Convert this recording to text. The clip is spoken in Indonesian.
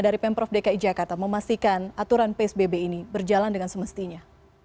dari pemprov dki jakarta memastikan aturan psbb ini berjalan dengan semestinya